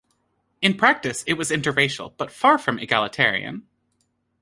In practice, it was interracial, but far from egalitarian.